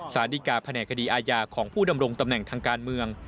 สารดีกาแผนกคดีอาญาของผู้ดำรงตำแหน่งทางการเมือง